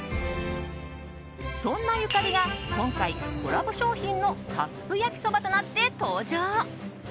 そんなゆかりが今回コラボ商品のカップ焼きそばとなって登場。